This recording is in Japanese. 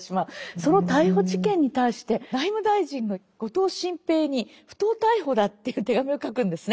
その逮捕事件に対して内務大臣の後藤新平に「不当逮捕だ」という手紙を書くんですね。